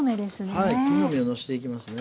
はい木の芽をのせていきますね。